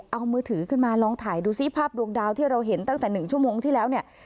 เอามือถือขึ้นมาลองถ่ายดูซิภาพดวงดาวที่เราเห็นตั้งแต่๑ชั่วโมงที่แล้วเนี่ย